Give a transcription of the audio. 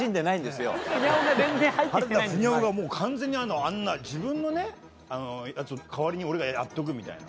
原田フニャオが完全にあんな自分のねやつを代わりに俺がやっとくみたいな。